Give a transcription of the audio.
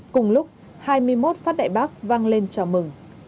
cùng lúc hai mươi một phát đại bác vang lên chào mừng